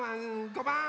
５ばん！